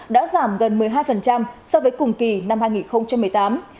đã giảm gần một mươi hai so với cùng kỳ năm hai nghìn một mươi tám